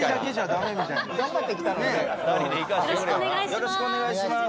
よろしくお願いします。